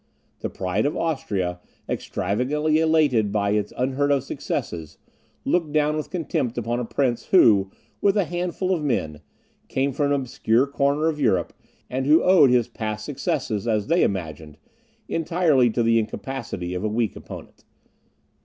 The pride of Austria, extravagantly elated by its unheard of successes, looked down with contempt upon a prince, who, with a handful of men, came from an obscure corner of Europe, and who owed his past successes, as they imagined, entirely to the incapacity of a weak opponent.